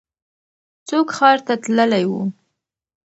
څوک ښار ته تللی و؟